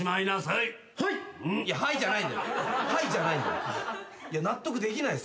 いやいや「はい」じゃない。